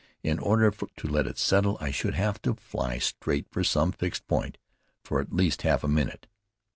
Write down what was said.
In order to let it settle, I should have to fly straight for some fixed point for at least half a minute.